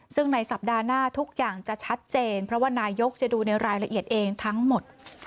ซึ่งในสัปดาห์หน้าทุกอย่างจะชัดเจนเพราะว่านายกจะดูในรายละเอียดเองทั้งหมด